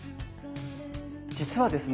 実はですね